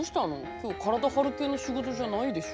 今日体張る系の仕事じゃないでしょ？